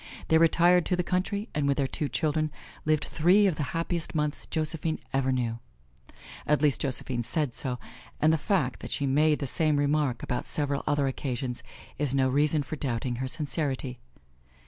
They retired to the country and with their two children lived three of the happiest months Josephine ever knew; at least Josephine said so, and the fact that she made the same remark about several other occasions is no reason for doubting her sincerity.